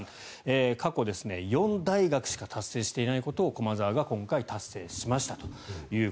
過去４大学しか達成していないことを駒澤が今回、達成しましたと。